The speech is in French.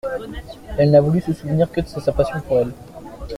Elle n'a voulu se souvenir que de sa passion pour elle.